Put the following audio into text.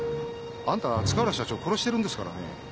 あんた塚原社長を殺してるんですからね。